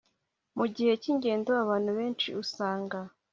Mu gihe cyingendo abantu benshi usanga